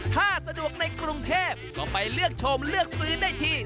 ถ้าสะดวกในกรุงเทพก็ไปเลือกชมเลือกซื้อได้ที่